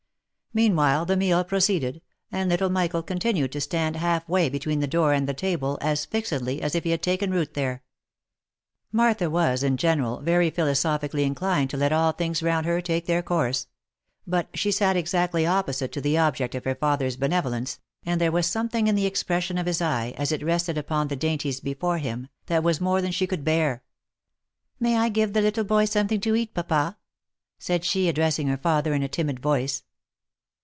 Meanwhile, the meal proceeded, and little' Michael continued to stand half way between the door and the table, as fixedly as if he had taken root there. Martha was, in general, very philosophically inclined to let all things round her take their course ; but she sat exactly opposite to the object of her father's benevolence, and there was something in the expression of his eye, as it rested upon the dainties before him, that was more than she could bear. " May I give the little boy some thing to eat, papa?" said she addressing her father in a timid voice.